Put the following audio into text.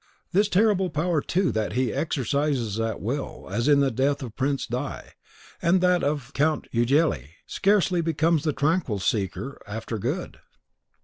This terrible power, too, that he exercises at will, as in the death of the Prince di , and that of the Count Ughelli, scarcely becomes the tranquil seeker after good."